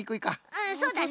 うんそうだね。